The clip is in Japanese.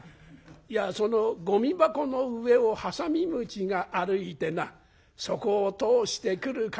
「いやそのゴミ箱の上をハサミムシが歩いてなそこを通してくる風